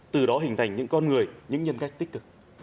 từ đó hình thành những con người những nhân cách tích cực